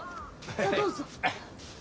さあどうぞ。